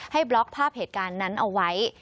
บล็อกภาพเหตุการณ์นั้นเอาไว้